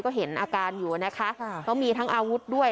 ก็เห็นอาการอยู่นะคะเขามีทั้งอาวุธด้วย